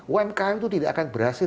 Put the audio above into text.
umkm itu tidak akan berhasil